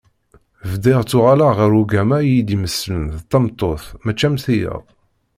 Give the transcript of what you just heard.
Bdiɣ ttuɣaleɣ ɣer ugama iyi-d-imeslen d tameṭṭut mačči am tiyaḍ.